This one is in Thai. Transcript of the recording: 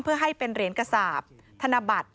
เพื่อให้เป็นเหรียญกษาบ